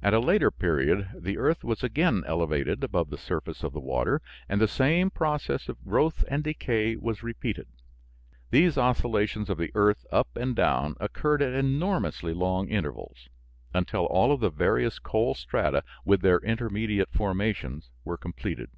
At a later period the earth was again elevated above the surface of the water and the same process of growth and decay was repeated. These oscillations of the earth up and down occurred at enormously long intervals, until all of the various coal strata with their intermediate formations were completed.